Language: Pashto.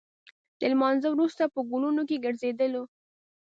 د لمانځه وروسته په ګلونو کې ګرځېدلو.